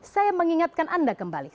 saya mengingatkan anda kembali